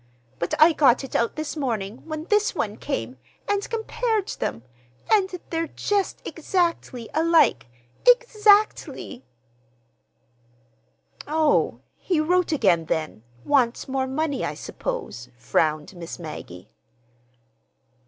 But I got it out this morning, when this one came, and compared them; and they're just exactly alike—exactly!" "Oh, he wrote again, then,—wants more money, I suppose," frowned Miss Maggie.